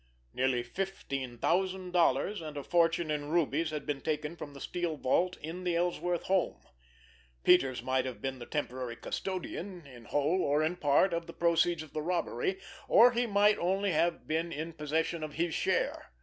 Nearly fifteen thousand dollars and a fortune in rubies had been taken from the steel vault in the Ellsworth home. Peters might have been the temporary custodian, in whole or in part, of the proceeds of the robbery, or he might only have been in possession of his share.